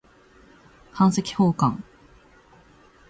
版籍奉還